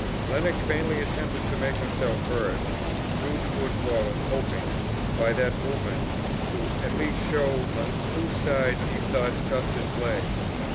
Lennox, vainly attempting to make himself heard, drew toward Wallace, hoping, by that movement to at least show on whose side he thought justice lay.